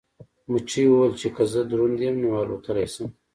مچۍ وویل چې که زه دروند یم نو الوتلی شم.